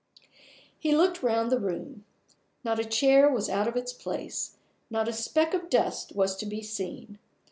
He looked round the room. Not a chair was out of its place, not a speck of dust was to be seen.